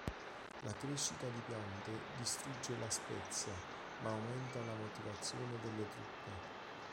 La crescita di piante distrugge la spezia, ma aumenta la motivazione delle truppe.